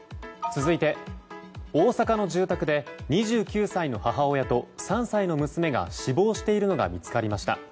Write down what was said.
続いて、大阪の住宅で２９歳の母親と３歳の娘が死亡しているのが見つかりました。